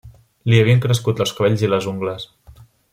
Li havien crescut els cabells i les ungles.